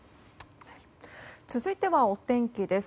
続いては、お天気です。